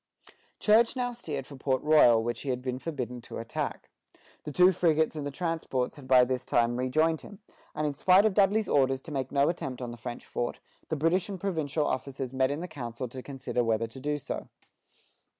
Church now steered for Port Royal, which he had been forbidden to attack. The two frigates and the transports had by this time rejoined him, and in spite of Dudley's orders to make no attempt on the French fort, the British and provincial officers met in council to consider whether to do so.